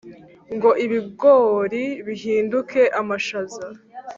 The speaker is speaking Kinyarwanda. Ngo ibigori bihinduke amashaza